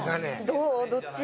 どっち？